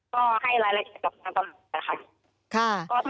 ก็ให้รายละเอียดกับน้องค่ะ